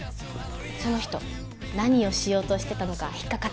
その人何をしようとしてたのか引っかかって。